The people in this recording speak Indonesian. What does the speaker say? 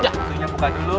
maksudnya buka dulu